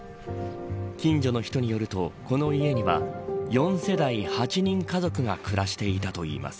近所の人によると、この家には４世代８人家族が暮らしていたといいます。